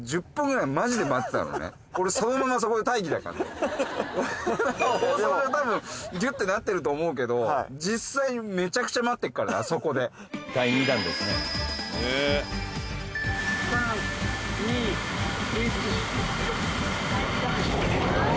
俺放送で多分ギュッてなってると思うけど実際めちゃくちゃ待ってっからあそこで・３２１ハハハハ！